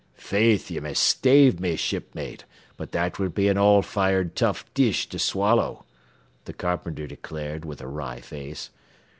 "Faith, ye may stave me, shipmate, but that would be an all fired tough dish to swallow," the carpenter declared, with a wry face.